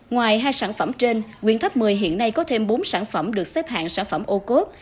ngoài hai sản phẩm trên quyền tháp một mươi hiện nay có thêm bốn sản phẩm được xếp hạng sản phẩm ô cốt